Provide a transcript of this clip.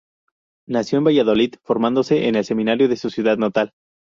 Nació en Valladolid, formándose en el seminario de su ciudad natal.